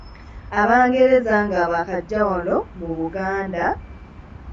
Abangereza nga baakajja wano mu Buganda